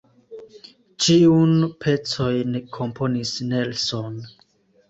Ĉiun pecojn komponis Nelson.